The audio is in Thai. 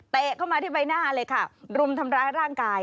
เข้ามาที่ใบหน้าเลยค่ะรุมทำร้ายร่างกาย